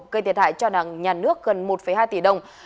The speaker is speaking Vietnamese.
cây thiệt hại cho nàng nhà nước gần một hai tỷ đồng